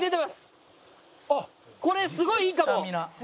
これすごいいいかも！